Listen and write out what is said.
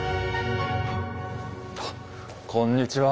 あっこんにちは。